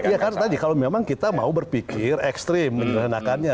ya kan tadi kalau memang kita mau berpikir ekstrim menyederhanakannya